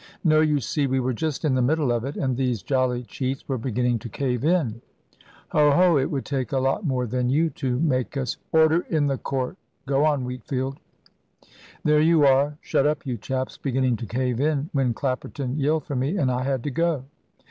"No. You see, we were just in the middle of it, and these jolly cheats were beginning to cave in " "Ho, ho! It would take a lot more than you to make us " "Order in the court go on, Wheatfield." "There you are shut up, you chaps beginning to cave in, when Clapperton yelled for me, and I had to go."